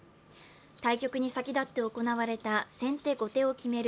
対局に先立って行われた先手後手を決める